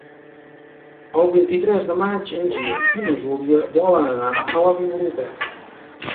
El vint-i-tres de maig en Gil i na Júlia volen anar a la biblioteca.